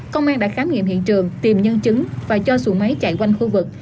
công an đã khám nghiệm hiện trường tìm nhân chứng và cho xuồng máy chạy quanh khu vực